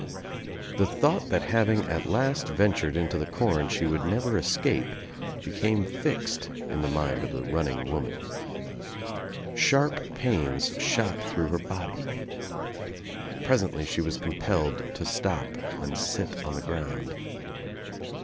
The thought that having at last ventured into the com she would never escape became fixed in the mind »of the running woman. Sharp pains shot through her body. Presently she was compelled to stop and sit on the ground.